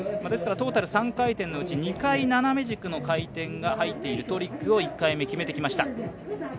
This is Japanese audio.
トータル３回転のうち２回、斜め軸の回転が入っているトリックを１回目、決めてきました。